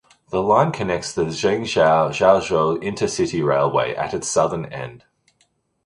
The line connects to the Zhengzhou–Jiaozuo intercity railway at its southern end.